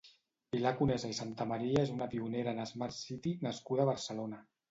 Pilar Conesa i Santamaria és una pionera en Smart City nascuda a Barcelona.